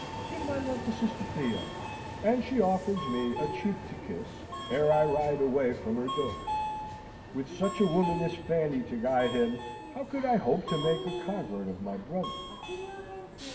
Give my love to sister Theo!" And she offers me a cheek to kiss, ere I ride away from her door. With such a woman as Fanny to guide him, how could I hope to make a convert of my brother?